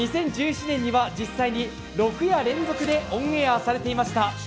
２０１７年には実際に６夜連続でオンエアされていました。